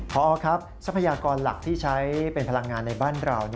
พอครับทรัพยากรหลักที่ใช้เป็นพลังงานในบ้านเรา